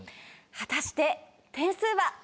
果たして点数は。